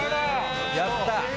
やった！